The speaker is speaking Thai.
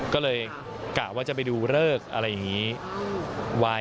ก็เลยกะว่าจะไปดูเลิกอะไรอย่างนี้ไว้